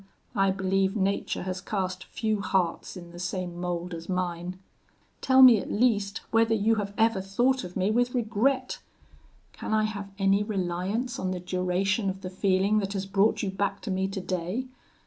I believe nature has cast few hearts in the same mould as mine. Tell me at least whether you have ever thought of me with regret! Can I have any reliance on the duration of the feeling that has brought you back to me today?